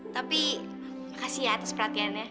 tapi makasih ya atas perhatiannya